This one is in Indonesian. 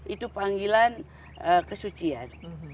itu panggilan kesucian